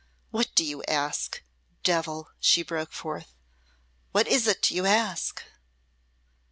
"What do you ask, devil?" she broke forth. "What is't you ask?"